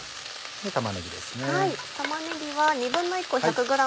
玉ねぎです。